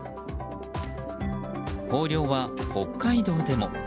豊漁は北海道でも。